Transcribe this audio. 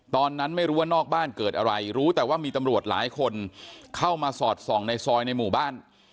ตอนนั้นไม่รู้ว่านอกบ้านเกิดอะไรรู้แต่ว่ามีตำรวจหลายคนเข้ามาสอดส่องในซอยในหมู่บ้าน